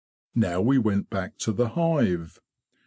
Now we went back to the hive.